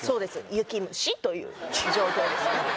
雪虫という状況ですね